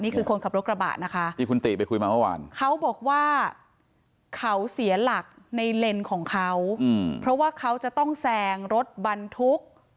คนขับรถกระบะนะคะที่คุณติไปคุยมาเมื่อวานเขาบอกว่าเขาเสียหลักในเลนส์ของเขาเพราะว่าเขาจะต้องแซงรถบรรทุก